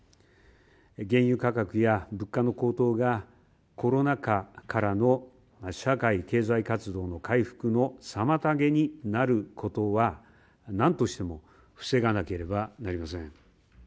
原油価格や物価の高騰がコロナ禍からの社会経済活動の回復の妨げになることは、なんとしても防がなければなりません。